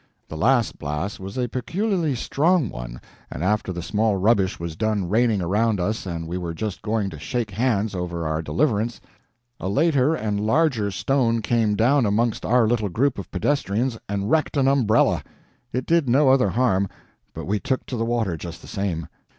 The last blast was a peculiarly strong one, and after the small rubbish was done raining around us and we were just going to shake hands over our deliverance, a later and larger stone came down amongst our little group of pedestrians and wrecked an umbrella. It did no other harm, but we took to the water just the same.